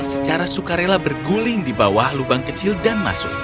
secara sukarela berguling di bawah lubang kecil di bawah